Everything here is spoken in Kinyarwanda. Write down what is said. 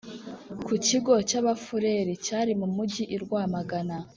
ku kigo cy’abafurere cyari mu mugi i Rwamagana